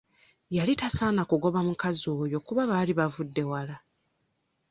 Yali tasaana kugoba mukazi oyo kuba baali bavudde wala.